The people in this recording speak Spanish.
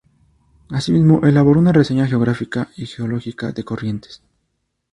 Asimismo, elaboró una reseña geográfica y geológica de Corrientes.